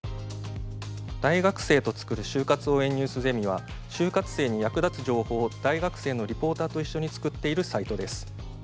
「大学生とつくる就活応援ゼミ」は就活生に役立つ情報を大学生のリポーターと一緒に作っているサイトです。